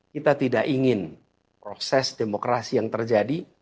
kita tidak ingin proses demokrasi yang terjadi